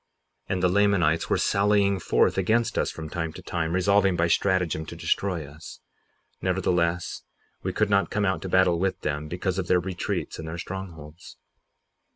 58:6 And the Lamanites were sallying forth against us from time to time, resolving by stratagem to destroy us; nevertheless we could not come to battle with them, because of their retreats and their strongholds.